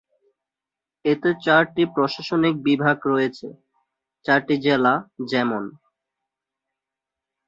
এতে চারটি প্রশাসনিক বিভাগ রয়েছে: চারটি জেলা, যেমন।